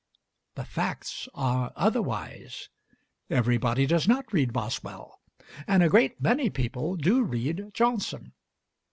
The facts are otherwise. Everybody does not read Boswell, and a great many people do read Johnson.